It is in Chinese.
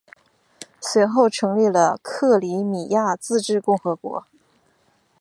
随后成立了克里米亚自治共和国。